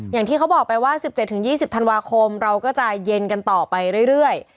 อย่างที่เขาบอกไปว่า๑๗๒๐ธันวาคมเราก็จะเย็นกันต่อไปเรื่อย